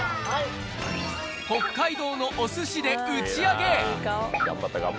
北海道のおすしで打ち上げ。